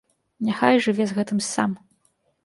Няхай жыве з гэтым сам.